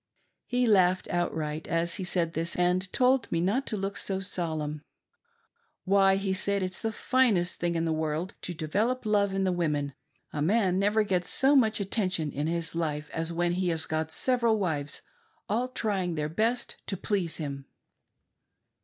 He laughed outright as he said this, and told me not to look so soliemn. " Why," he said, " it's the finest thing in the world to develop love in the women ; a man never gets so much attention in his life as when he has got several wives all trying their best to please him."